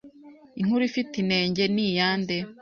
inkuru ifite inenge ni iyande?